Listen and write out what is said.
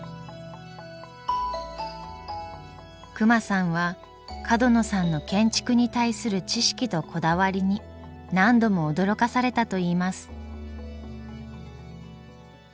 隈さんは角野さんの建築に対する知識とこだわりに何度も驚かされたといいます。